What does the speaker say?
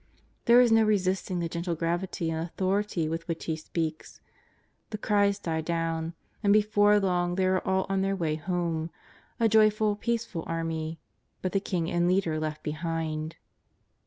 There is no resisting the gentle gravity and authority with which He speaks ; the cries die down, and before long they are all on their way home, a joyful, peaceful army, but the King and Leader left behind.